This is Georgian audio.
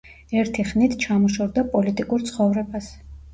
ერთი ხნით ჩამოშორდა პოლიტიკურ ცხოვრებას.